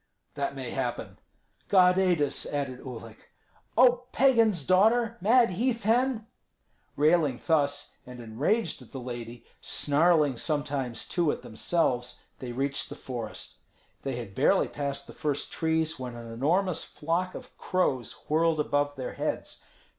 "That may happen." "God aid us!" added Uhlik. "Oh, pagan's daughter, mad heath hen!" Railing thus, and enraged at the lady, snarling sometimes too at themselves, they reached the forest. They had barely passed the first trees when an enormous flock of crows whirled above their heads.